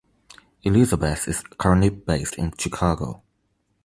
Elizabeth is currently based in Chicago.